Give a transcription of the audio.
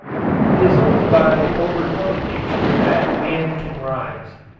It is only by overcoming nature that man can rise.